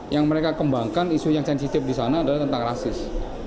yang mereka kembangkan isu yang sensitif di sana adalah tentang rasis